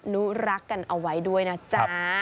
นุรักษ์กันเอาไว้ด้วยนะจ๊ะ